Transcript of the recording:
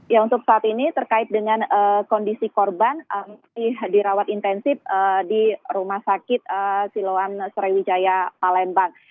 ya untuk saat ini terkait dengan kondisi korban dirawat intensif di rumah sakit siloam sriwijaya palembang